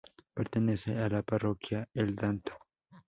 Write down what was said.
Pertenece a la Parroquia El Danto.